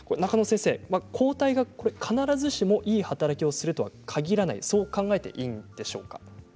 抗体が、必ずしもいい働きをするとは限らないそう考えていいんでしょうか？